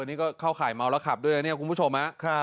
นี่ก็เข้าข่ายเมาแล้วขับด้วยนะเนี่ยคุณผู้ชม